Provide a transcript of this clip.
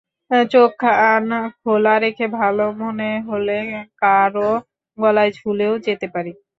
চোখকান খোলা রেখে ভালো মনে হলে কারো গলায় ঝুলেও যেতে পারি।